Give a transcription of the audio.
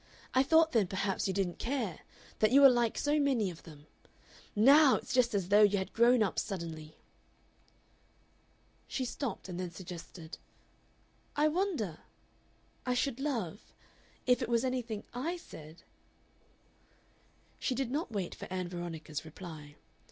I thought then perhaps you didn't care, that you were like so many of them. NOW it's just as though you had grown up suddenly." She stopped, and then suggested: "I wonder I should love if it was anything I said." She did not wait for Ann Veronica's reply.